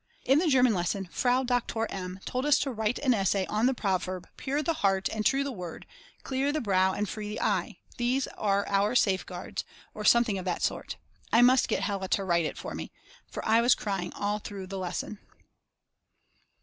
In the German lesson Frau Doktor M. told us to write an essay on the proverb: Pure the heart and true the word, clear the brow and free the eye, these are our safeguards, or something of that sort; I must get Hella to write it for me, for I was crying all through the lesson.